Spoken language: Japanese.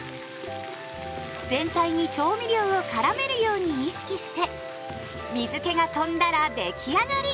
全体に調味料をからめるように意識して水けがとんだら出来上がり！